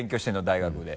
大学で。